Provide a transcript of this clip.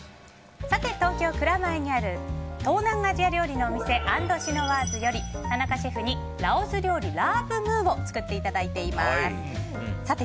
東京・蔵前にある東南アジア料理のお店アンドシノワーズより田中シェフにラオス料理のラープ・ムーを作っていただいています。